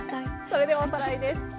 それではおさらいです。